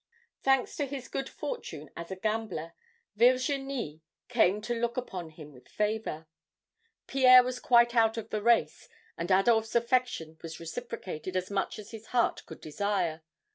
"Thanks to his good fortune as a gambler, Virginie came to look upon him with favor. Pierre was quite out of the race and Adolphe's affection was reciprocated as much as his heart could desire.